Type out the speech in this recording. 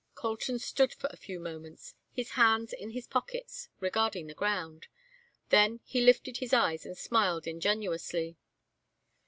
Colton stood for a few moments, his hands in his pockets, regarding the ground. Then he lifted his eyes and smiled ingenuously.